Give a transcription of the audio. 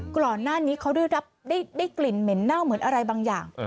ก่อนหน้านี้เขาได้กลิ่นเหม็นเน่าเหมือนอะไรบางอย่าง